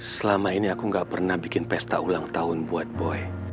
selama ini aku gak pernah bikin pesta ulang tahun buat boy